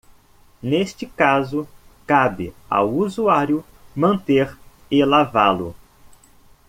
Neste caso, cabe ao usuário manter e lavá-lo.